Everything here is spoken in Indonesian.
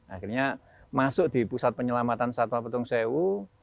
akhirnya masuk di pusat penyelamatan satwa petung sewu